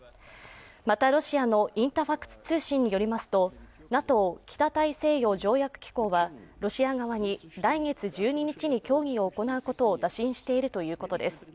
また、ロシアのインタファクス通信によりますと、ＮＡＴＯ＝北大西洋条約機構はロシア側に来月１２日に協議を行うことを打診しているということです。